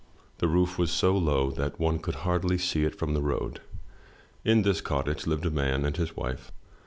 The roof was so low that one could hardly see it from the road. In this cottage lived a man and his wife.